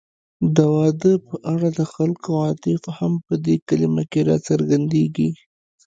د واده په اړه د خلکو عواطف هم په دې کلمه کې راڅرګندېږي